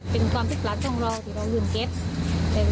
เป็นความทุกข์หลานต้องรอที่เราลืมเก็ต